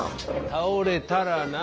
倒れたらな。